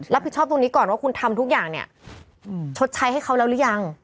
ตรงนี้ก่อนว่าคุณทำทุกอย่างเนี่ยชดใช้ให้เขาแล้วหรือยัง